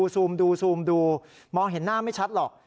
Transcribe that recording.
ซูมดูซูมดูมองเห็นหน้าไม่ชัดหรอก